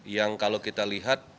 yang kalau kita lihat